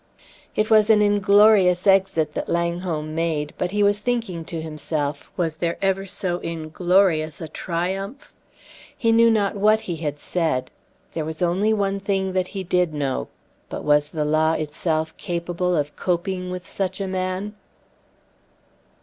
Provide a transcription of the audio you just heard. It was an inglorious exit that Langholm made; but he was thinking to himself, was there ever so inglorious a triumph? He knew not what he had said; there was only one thing that he did know. But was the law itself capable of coping with such a man?